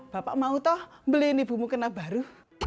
bapak mau toh beliin ibumu kena baru